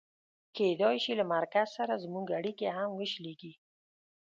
کېدای شي له مرکز سره زموږ اړیکې هم وشلېږي.